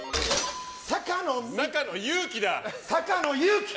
坂野勇気だ。